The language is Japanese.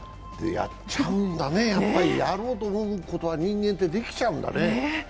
やっちゃうんだね、やろうと思うことは人間できちゃうんだね。